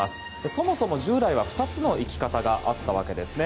そもそも従来は２つの行き方があったわけですね。